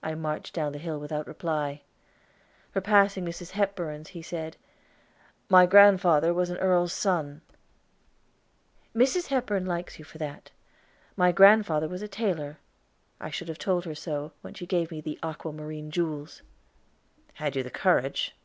I marched down the hill without reply. Repassing Mrs. Hepburn's, he said, "My grandfather was an earl's son." "Mrs. Hepburn likes you for that. My grandfather was a tailor; I should have told her so, when she gave me the aqua marina jewels." "Had you the courage?"